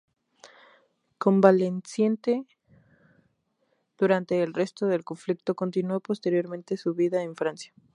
Convaleciente durante el resto del conflicto, continuó posteriormente su vida en Francia.